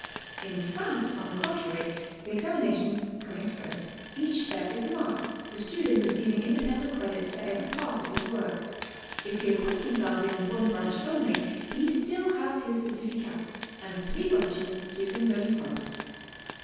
In France, on the contrary, the ex aminations coming first, each step is marked, the student receiving independent credits for every part of his work. If he acquits himself in one branch only, he still has his certificat, and three branches give him the licence.